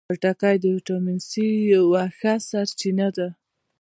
خټکی د ویټامین سي یوه ښه سرچینه ده.